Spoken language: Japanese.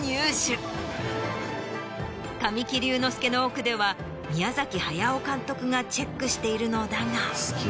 神木隆之介の奥では宮駿監督がチェックしているのだが。